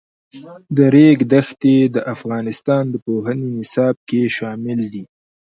د ریګ دښتې د افغانستان د پوهنې نصاب کې شامل دي.